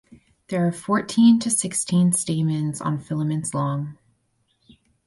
There are fourteen to sixteen stamens on filaments long.